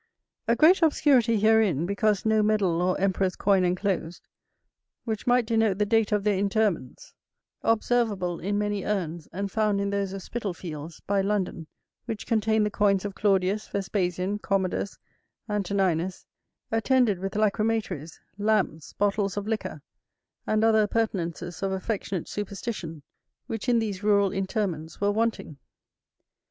A great obscurity herein, because no medal or emperor's coin enclosed, which might denote the date of their interments; observable in many urns, and found in those of Spitalfields, by London, which contained the coins of Claudius, Vespasian, Commodus, Antoninus, attended with lacrymatories, lamps, bottles of liquor, and other appurtenances of affectionate superstition, which in these rural interments were wanting.